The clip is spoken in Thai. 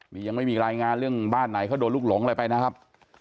นี่ยังไม่มีรายงานเรื่องบ้านไหนเขาโดนลูกหลงอะไรไปนะครับ